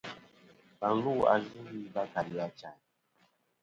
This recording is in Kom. Và lu a Yvɨwi va kali Achayn.